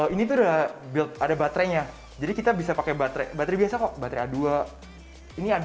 ini tuh udah build ada baterainya jadi kita bisa pakai baterai baterai biasa kok baterai a dua ini ada